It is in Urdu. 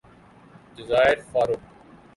جزائر فارو